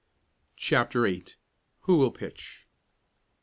CHAPTER VIII "WHO WILL PITCH?"